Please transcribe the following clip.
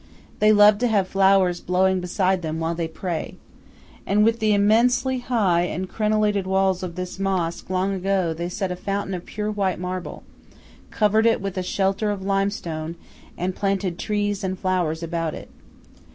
They love to have flowers blowing beside them while they pray. And with the immensely high and crenelated walls of this mosque long ago they set a fountain of pure white marble, covered it with a shelter of limestone, and planted trees and flowers about it.